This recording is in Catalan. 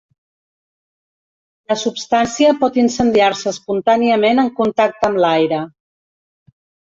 La substància pot incendiar-se espontàniament en contacte amb l'aire.